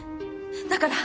だから。